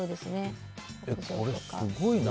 これ、すごいな。